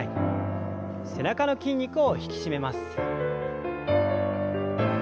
背中の筋肉を引き締めます。